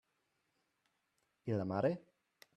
I la mare?